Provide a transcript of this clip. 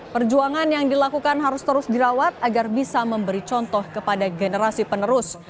perjuangan yang dilakukan harus terus dirawat agar bisa memberi contoh kepada generasi penerus